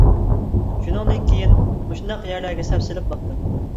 شۇنىڭدىن كىيىن مۇشۇنداق يەرلەرگە سەپ سېلىپ باقتىم.